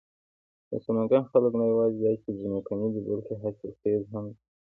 د سمنگان خلک نه یواځې دا چې ځمکني دي، بلکې حاصل خيز هم دي.